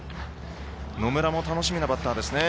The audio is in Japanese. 野村も楽しみなバッターですね。